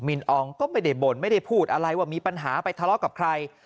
นอองก็ไม่ได้บ่นไม่ได้พูดอะไรว่ามีปัญหาไปทะเลาะกับใคร